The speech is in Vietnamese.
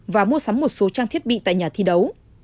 và mua sắm một số trang thiết bị tại nhà thi đấu